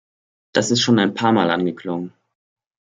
Das ist schon ein paar Mal angeklungen.